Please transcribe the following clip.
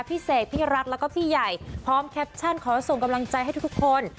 เสกพี่รัฐแล้วก็พี่ใหญ่พร้อมแคปชั่นขอส่งกำลังใจให้ทุกคน